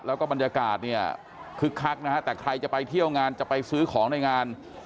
แล้วก็บรรยากาศเนี่ยคึกคักนะฮะแต่ใครจะไปเที่ยวงานจะไปซื้อของในงาน